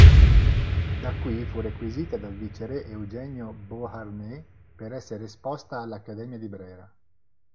Da qui fu requisita dal viceré Eugenio Beauharnais per essere esposta all'Accademia di Brera.